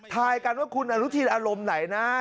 ทายกันว่าคุณอนุทินอารมณ์ไหนนะ